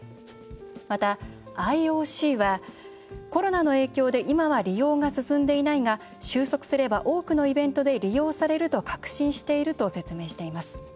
またＩＯＣはコロナの影響で今は利用が進んでいないが収束すれば多くのイベントで利用されると確信していると説明しています。